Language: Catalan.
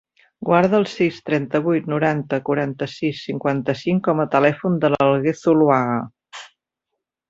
Guarda el sis, trenta-vuit, noranta, quaranta-sis, cinquanta-cinc com a telèfon de l'Alguer Zuluaga.